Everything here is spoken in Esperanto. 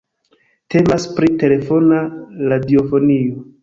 Temas pri telefona radiofonio.